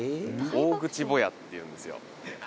大爆笑？っていうんですよ